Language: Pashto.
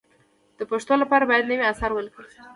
د پښتو لپاره باید نوي اثار ولیکل شي.